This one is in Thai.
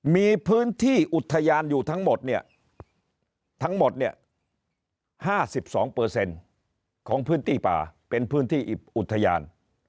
มีพื้นที่อุทยานอยู่ทั้งหมดเนี่ยทั้งหมดเนี่ย๕๒ของพื้นที่ป่าเป็นพื้นที่อุทยาน